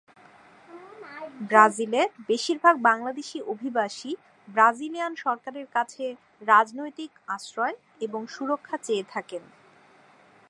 ব্রাজিলে বেশিরভাগ বাংলাদেশী অভিবাসী ব্রাজিলিয়ান সরকারের কাছে রাজনৈতিক আশ্রয় এবং সুরক্ষা চেয়ে থাকেন।